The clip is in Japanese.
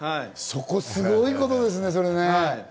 そこ、すごいことですね。